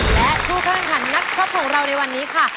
และสู่กำลังคันนักชอบของเราในวันนี้ค่ะ